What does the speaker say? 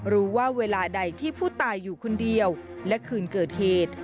เวลาใดที่ผู้ตายอยู่คนเดียวและคืนเกิดเหตุ